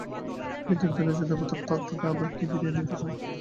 দিয়ে তো ফেলেছ, দেবতার হাত থেকে আবার কি ফিরিয়ে নিতে চাও?